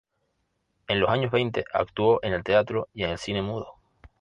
En los años veinte actuó en el teatro y en el cine mudo.